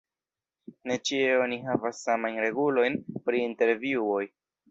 Ne ĉie oni havas samajn regulojn pri intervjuoj.